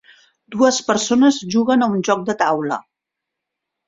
Dues persones juguen a un joc de taula